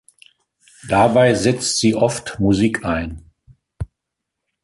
Dabei setzt sie oft Musik ein.